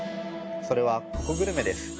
それはココグルメです。